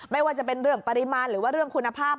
ไม่ว่าจะเป็นเรื่องปริมาณหรือว่าเรื่องคุณภาพ